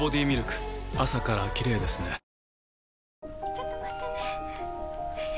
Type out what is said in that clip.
ちょっと待ってね。